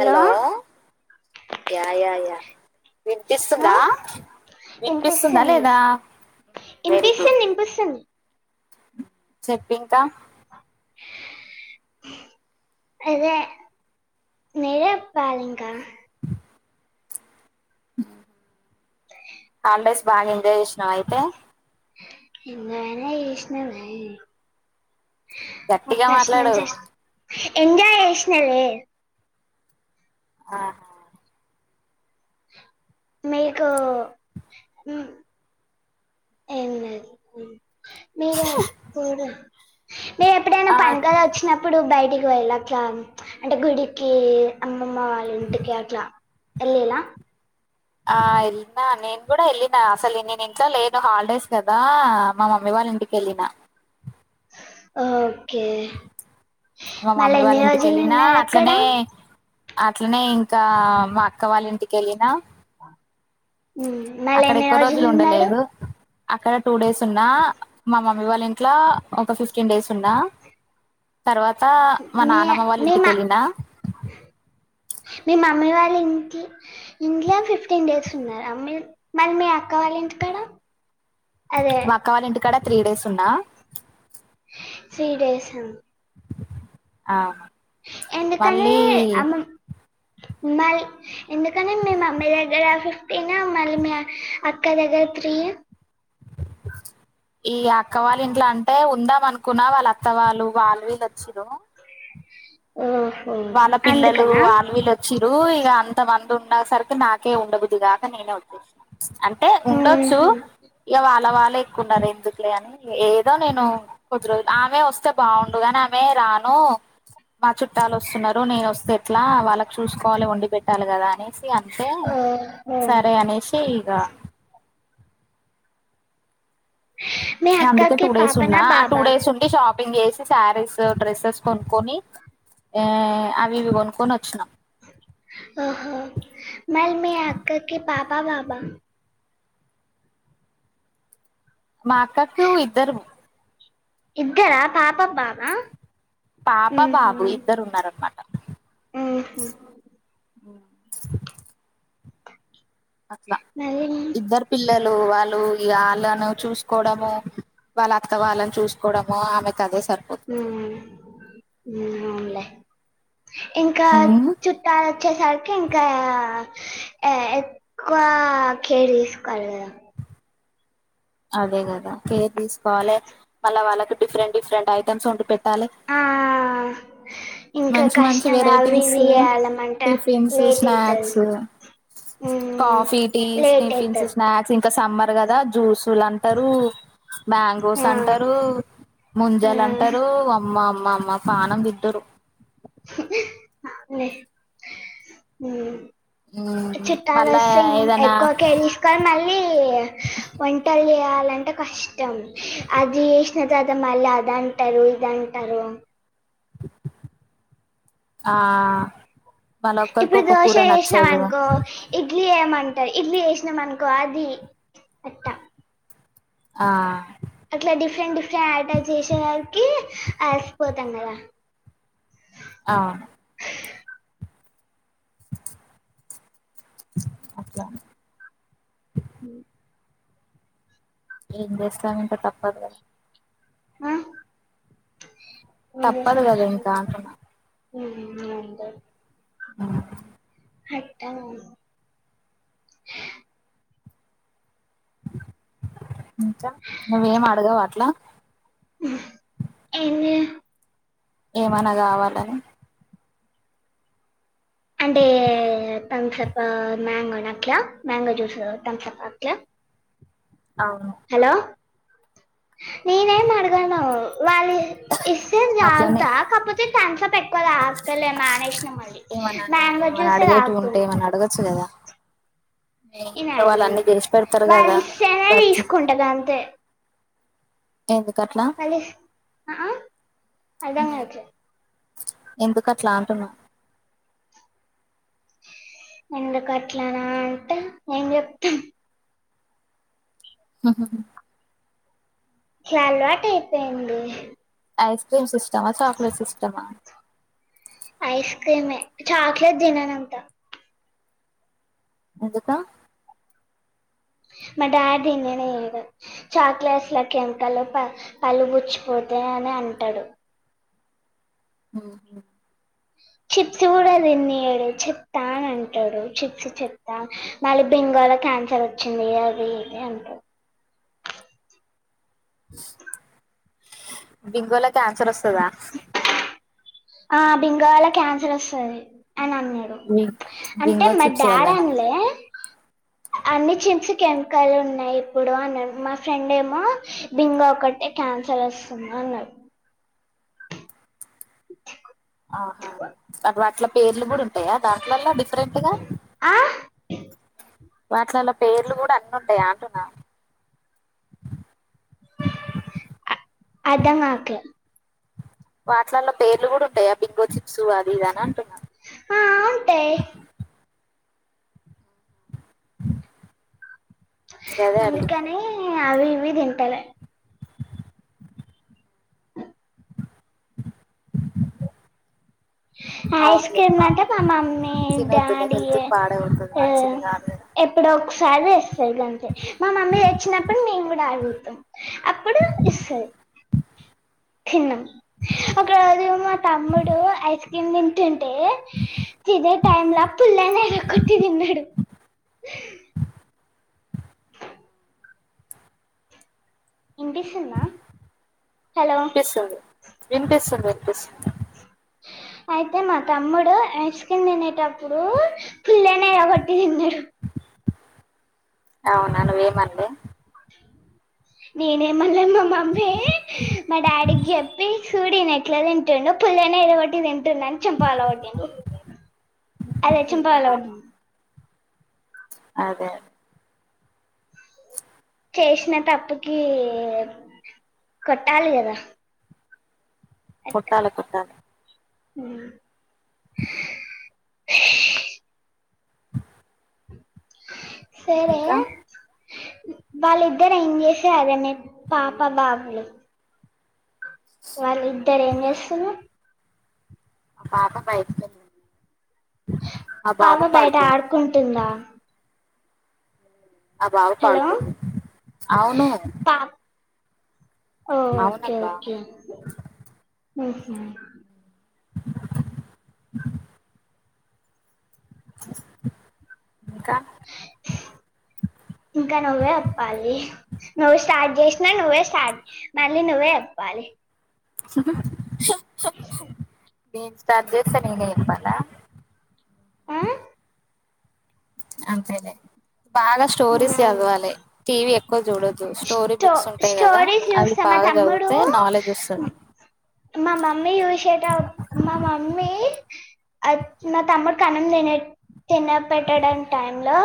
Hello యాయా yeah ఆ వినిపిస్తుందా వినిపిస్తుందా లేదా ఇంపిస్తుంది. ఇంపిస్తుంది. చెప్పింకా అదే మీరే చెప్పాలి ఇంకా హాల్డేస్ బాగా ఎంజాయ్ చేసినావా అయితే బాణేచేసినం గట్టిగా మాట్లాడు నుంచి ఎంజాయ్ చేసినమే ఆ మీకు మీర ఎప్పుడు మీరు ఎప్పుడైనా ఆ పండుగ వచ్చినప్పుడు అప్పుడు బయటికి వెళ్ళి అట్లా అంటే గుడికి అమ్మమ్మ వాళ్ళ ఇంటికి అట్లా ఏళ్లిలా ఆ వెళ్ళిన నేను కూడా వెళ్ళిన అసలు నేను ఇంట్లో లేను హాలిడేస్ కదా మా మమ్మీ వాళ్ళ ఇంటికి ఏళ్ళిన ఓకే మా మళ్ళీ మమ్మీ వాళ్ళ ఎన్ని ఇంటిక రోజులు వెళ్ళినా ఉన్నారు అక్కడ అట్లనే అట్లనే ఇంకా మా అక్కవాళ్ళ ఇంటికి వెళ్ళిన మ్, మళ్ళీ అక్కడ ఎన్ని ఎక్కువ రోజులు ఉన్నాడు ఉండలేదు. అక్కడ టూ డేస్ ఉన్నా మా మమ్మీ వాళ్ళ ఇంట్లో ఒక ఫిఫ్టీన్ డేస్ ఉన్నా. తర్వాత మా మీ నానమ్మ వాళ్ళ మీ మా ఇంటికవెళ్ళినా మీ మమ్మీ వాళ్ళ ఇంటి ఇంట్ల ఫిఫ్టీన్ డేస్ ఉన్నారా. అమ్ మరీ మీ అక్క వాళ్ళ ఇంటికడ అదే మా అక్క వాళ్ళ ఇంటికాడ త్రీ డేస్ ఉన్నా. త్రీ డేస్ ఆ ఎందుకని మళ్ళీ అమ్మ మల్ ఎందుకనీ మీ మమ్మీ దగ్గర ఫిఫ్టీన్ మళ్ళీ మీ అక్క దగ్గర త్రీ ఈ అక్కవాళ్ళ ఇంట్లో అంటే ఉందా మనకు కున్న, వాళ్ళు అత్త వాళ్ళు వాళ్ళుీవిళచ్చిరు. ఆఓ వాళ్ళ పిల్లలు వల్లువిల్లు వచ్చిారు. ఇగా అంత మంది ఉన్న సరికి నాకే ఉండబుద్దికలే నేనే వచ్చసిన అంటే ఉండొచ్చు. ఊహు. ఇక వాళ్ళ వాళ్ళ ఎక్కువన్నారు. ఎందుకులే, అని ఏదో నేను కొద్ది రోజులు ఆమె వస్తే బాగుండుగాని ఆమె రాను మా చుట్టాలు వచ్చి వస్తున్నారు. నేను వస్తే ఎట్లా వాళ్ళకి చూసుకోవాలి. వండి పెట్టాలి కదా అని ఇగ అంతే ఓహో సరే అనేషి ఈగ మీ అందుకే అక్కకి టూ డేస్ పాపనా ఉన్నా ఆ టూ బాబా డేస్ ఉండి షాప్ పింగ్ చేేసేసి, శారీస్ డ్రెస్సెస్ కొనుక్కొని అవి ఇవి కొనుక్కొని వచ్చినం ఓహో మరి మీ అక్క కి పాప బాబ మాఅక్కకి, ఇద్దరు, ఇద్దరా పాపబాబ పాప బాబు ఇద్దరు ఉన్నారనమాట. ఉ అట్లా మరి ఇద్దరు పిల్లోలు వాళ్ళు ఇగ వాళ్ళను చూసుకోవడము వాళ్ళ అత్త వాళ్ళని చూసుకోవడమో ఆమెకి అదే సరిపో ఊ ఊ అవునులే ఇంకా ఉమ్ చు ట్టాలొచ్చే సరికి ఇంకా ఎ ఎక్కువ కేర్ తీసుకోవాలి కదా అదే కదా కేర్ తీసుకోవాలి మళ్ళా వాళ్ళకు డిఫరెంట్ డిఫరెంట్ ఐటమ్స్ వండి పెట్టాలి ఆ ఇంకా మంచి మంచి కష్టమే అవి ఇవి వెరైటీసు చేయాలమంట టిఫిన్సు లేట్ అయితది స్నాక్సు ఉమ్ కాఫీ టీ లేట్ స్నిఫిన్స్ అయితది స్నా క్స్ ఇంకా సమ్మర్ కదా జ్యూసులంటారు మ్యాంగోస్ ఆ అంటారు ముంజలు ఉమ్ అంటరు అమ్మా అమ్మా అమ్మా పానం బి ట్టరు [inaudible] ఉమ్ మ్మ్ మళ్ళా చుట్టాలొస్తే ఇంగ్ ఏదైనా ఎక్కువ కేర్ తీస్ కానీ మళ్ళీ వంటలు చేయాలంటే కష్టం అది తాతం మళ్ళీ అది అంటారు ఇది అంటారు ఆ వాళ్ళ ఒక్కరికి ఇప్పుడు ఒక కూర దోషె చేసినాం నచ్చదు అనుకో ఇడ్లీ ఏయమంటా ఇడ్లీ ఏసినాం అనుకో అది అట్ట ఆ అట్లా డిఫరెంట్ డిఫరెంట్ ఆట చేసే వారికి ఆసిపోతాం కదా అవును అట్లా ఊ ఏం చేస్తాం ఇంక తప్పదు గా ఆ? తప్పదు కదా ఇంకా అంటున్నా [inaudible] అ హెట్టాం ఇంకా నువ్వేం అడగావా అట్లా [unintelligible] ఏమనా గావాలని అంటే థమ్సపా మ్యాంగోనా అట్లా మ్యాంగో జ్యూస్ థమ్సప్ అట్లా అవును హలో నేనేం అడగను వాళ్ళి ఇస్తే అట్లనే తాగుతా కాకపోతే థన్సప్ ఎక్కువ తాగుతలే మానేషినా మళ్ళీ మ్యాంగో జ్యూస్ ఏ తాగుతున్న అడుగచ్చు కదా మీ నేను ఇంట్లో వాళ్ళు అడిగను అన్ని చేసి పెడతారు వాళ్ళు కదా ఇస్తేనే బజ్ తీసుకుంటా గంతే ఎందుకట్లా వాళ్ళు ఇస్- ఆ ఆ, అర్థం ఊ కాదు ఎందుకట్లా అంటున్నా ఎందుకట్లనా అంటే ఏం చెప్తాం హుహు ట్ల అలవాటు అయిపోయింది ఐస్ క్రీమ్స్ ఇష్టమా చాక్లెట్స్ ఇష్టమా ఐస్ క్రీమే చాక్లేట్ తినడంతా మిగతా మ డాడీ తిననీయాడు చాక్లెట్స్ లా కెమికల్ ప పళ్లు పుచ్చిపోతాయి అని అంటాడు మ్మ్ చిప్స్ కూడా తిన్నియడు చెత్త అని అంటాడు చిప్స్ చెత్త మళ్ళీ బెంగాల్లో క్యాన్సర్ వచ్చింది అది ఇది అంటడు బింగోలా క్యాన్సర్ వస్తదా ఆ బింగోవల్ల క్యాన్సర్ వస్తది అని అన్నాడు బి అంటే బింగో మా చిప్స్ డాడ్ వల్లనా అన్లే అన్ని చిప్స్ కెమికల్ ఉన్నాయి ఇప్పుడు అన్నా మా ఫ్రెండ్ ఏమో బింగో ఒకటె క్యాన్సర్ వస్తుంది అన్నాడు ఆహా ఆ వాటిల పేర్లు కూడా ఉంటాయా దాంట్లలో డిఫరెంట్ గా ఆ వాట్లలలో పేర్లు కూడా అన్ని ఉంటాయా అంటున్నా అ అర్థం కావట్ల వాటిలలో పేర్లు కూడా ఉంటాయా బింగో చిప్స్ అది ఇదని అంటున్న ఆ ఉంటాయి గదే అడిగిన అందుకనే అవి ఇవి తింటలే ఐస్ అవునులే క్రీమ్ లంటే మా మమ్మీ తినొద్దులే డాడీ హెల్త్ యే పాడవుతుంది ఏ మంచిది కాదు కదా ఎప్పుడో ఒక్కసారి తెస్తాది గంతే మా మమ్మీ తెచ్చినప్పుడు మేము కూడా అడుగుతాం అప్పుడు ఇస్సది తిన్నం ఒక రోజు మా తమ్ముడు ఐస్ క్రీమ్ తింటుంటే తినే టైమ్ లా పుల్లలు ఎరుకుంటూ తిన్నాడు [unintelligible] ఇనిపిస్తుందా పిస్తుంది వినిపిస్తుంది వినిపిస్తుంది అయితే మా తమ్ముడు ఐస్ క్రీమ్ తినేట ప్పుడు పుల్లలేరబట్టి తిన్నడు అవునా నువ్వేమన్లే నేనేమన్లే మా మమ్మీ మా డాడీకి చెప్పి చూడు ఈనె ఎట్లా తింటుండు పుల్లలేరగొట్టి తింటుండని చెంప పగలకోట్టిండు అదే చెంప పగలగొట్టిండు అదే చేసిన తప్పుకి కొట్టాలి కదా కొట్టాలే కొట్టాలి హ్మ్ సరే ఇంకా వాళ్ళిద్దరు ఏం చేసే అదనే పాప బాబులు వాళ్ళు ఇద్దరు ఏం చేస్తునరు మా పాప బయటకెళ్ళింది పాప బయట పడుకుండు ఆడుకుంటుందా ఆ బాబు హలో పడుకుండు అవును పా ఓకే అవునబ్బా ఓకే ఊ హ్మ్ ఇంకా ఇంక నువ్వే ఎప్పాలి నువ్వు స్టార్ట్ జేష్నవ్ నువ్వే స్టార్ట్ మళ్ళీ నువ్వే ఎప్పాలి హుహు హు హు నేను స్టార్ట్ జేస్తె నేనే ఎప్పాలా ఆ అంతేలే బాగ స్టోరీస్ జదవాలె టీవీ ఎక్కువ జూడొద్దు స్టోరీ స్టో బుక్స్సుంటై గదా స్టోరీస్ అవ్ చూస్తా మా బాగ తమ్ముడు జదువుతే నాలెడ్జొస్తది మా మమ్మీ జూషేట మా మమ్మీ అద్ నా తమ్ముడ్కన్నం దినే తినపెట్టే టైమ్ లో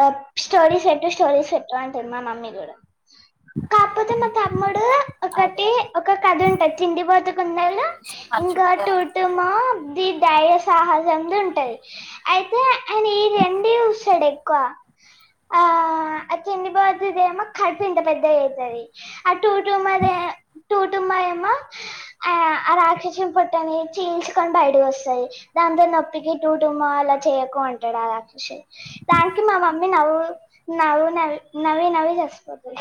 అ స్టోరీస్ బెట్టు స్టోరీస్ పెట్టు అంటది మా మమ్మీ గూడ కాపోతే మా తమ్ముడు అదే ఒకటి అదే ఒక కతుంటది తిండిబోతు కుందేలు మంచు టుటుమా ది ధైర్య సాహసందుంటది అయితే ఆయిన ఈ రెండు యూస్తడు ఎక్కువ ఆ ఆ తిండిపోతుదేమో కడుపు ఇంత పెద్దగైతది ఆ టుటుమదే టూటుమా యేమో ఆ ఆ రాక్షసుని పొట్టని చీల్చుకొని బయటికొస్తది దాంతో నొప్పికి టూటుమా అలా చెయ్యకు అంటడా ష్ దానికి మా మ మ్మీ నవ్వు నవ్వు నవి నవ్వి నవ్వి చస్తది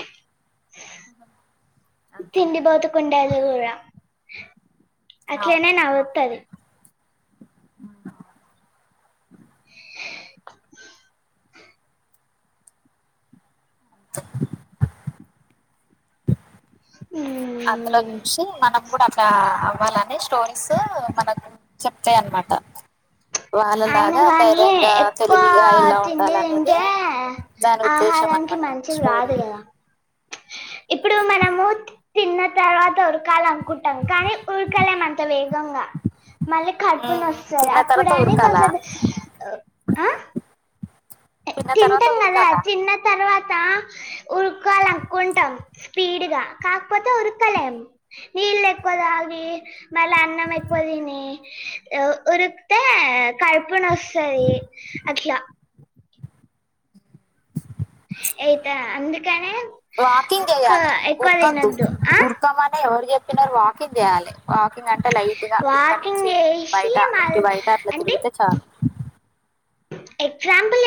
ఆ తిండి బోతు కుందేలు గూడ అవును అట్లేనే నవ్వుతది [unintelligible] ఊ అందులో జూషి మనం గూడ అట్లా అవ్వాలని స్టోరీస్సూ మనకు చెప్తయన్మట అయిన గానీ ఎక్కువా తెలివిగా ఎలా తిండి ఉండాలనేది దింటే దాని ఉద్దేశం ఆహారానికి అనమాట మంచిది గాదు స్టోరీది గదా ఇప్పుడూ మనము తిన్న తర్వాత ఉరకాలనుకుంటం కానీ ఉరకలేం మ అంత వేగంగా మళ్ళీ కడుపునొస్తది అప్పుడైన అలా తింటంగదా తిన్న తర్వాత ఉరుకాలనుకుంటం స్పీడుగా కాకపోతే ఉరుకలేం నీళ్లెక్కువ తాగీ మళ్ళ అన్నమెక్కువ తిని అ ఉరుక్తే కడుపునొస్తదీ అట్ల ఎయితా అందుకనే వాకింగ్ ఎక్కువ జేయాలె ఎక్కువ ఉర్కద్దు తినొద్దు ఆ ఉర్కమని ఎవరు జెప్ పినరు వాకింగ్ జేయాలె వాకింగ్ అంటే లైట్గా ఇక్కడ వాకింగ్ నుంచి చేసి బయట ఇంటి మళ్ళీ బయట అట్ల అంటే తిరుగుతే చాలు ఎగ్జాంపుల్ చెప్